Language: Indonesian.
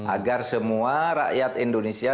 agar semua rakyat indonesia